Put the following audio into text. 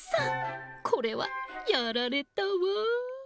これはやられたわ。